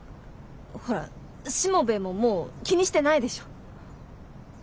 ほらしもべえももう気にしてないでしょ？